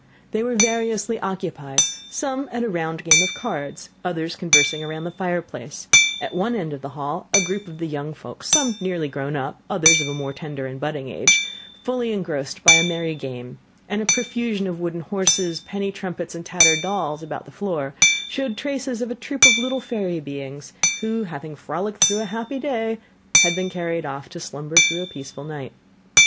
They were variously occupied; some at a round game of cards; others conversing around the fireplace; at one end of the hall was a group of the young folks, some nearly grown up, others of a more tender and budding age, fully engrossed by a merry game; and a profusion of wooden horses, penny trumpets, and tattered dolls, about the floor, showed traces of a troop of little fairy beings, who, having frolicked through a happy day, had been carried off to slumber through a peaceful night.